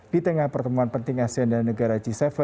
di tengah pertemuan penting asean dan negara g tujuh